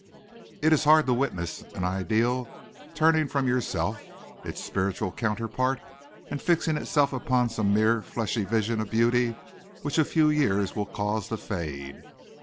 It is hard to witness an ideal turning from yourself, its spiritual counterpart, and fixing itself upon some mere fleshly vision of beauty which a few years will cause to fade.